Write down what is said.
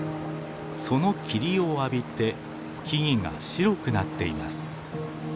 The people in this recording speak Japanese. その霧を浴びて木々が白くなっています。